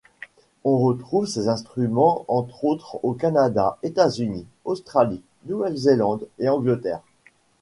On retrouve ses instruments entre autres au Canada, États-Unis, Australie, Nouvelle-Zélande et Angleterre.